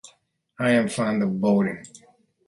I am fond of boating.